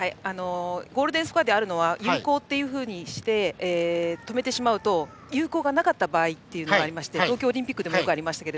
ゴールデンスコアは有効というふうにして止めてしまうと有効がなかった場合もありまして東京オリンピックでもよくありましたが。